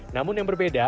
namun yang berbeda